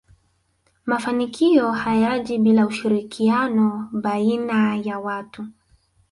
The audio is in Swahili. mafanikio hayaji bila ushirikiano baiana ya watu